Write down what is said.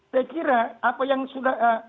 saya kira apa yang sudah